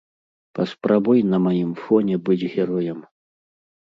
Паспрабуй на маім фоне быць героем!